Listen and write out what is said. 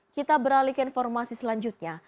kita beralih ke informasi selanjutnya